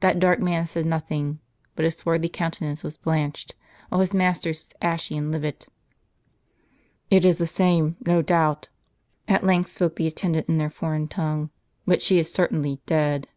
That dark man said nothing ; but his swarthy countenance was blanched, while his master's was ashy and livid. " It is the same, no doubt," at length spoke the attendant in their foreign tongue ;" but she is certainly dead."